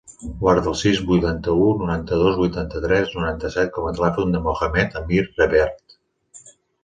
Guarda el sis, vuitanta-u, noranta-dos, vuitanta-tres, noranta-set com a telèfon del Mohamed amir Revert.